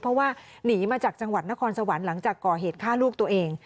เพราะว่าหนีมาจากจังหวัดนครสวรรค์หลังจากก่อเหตุฆ่าลูกตัวเอง